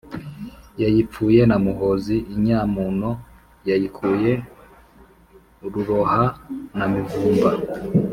yayipfuye na Muhozi, inyamuno yayikuye Ruroha na Mivumba.